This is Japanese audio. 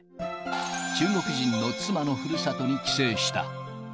中国人の妻のふるさとに帰省した。